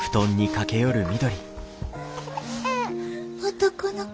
男の子？